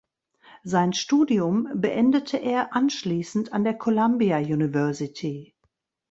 Sein Studium beendete er anschließend an der Columbia University.